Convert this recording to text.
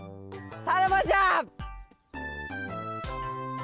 さらばじゃ！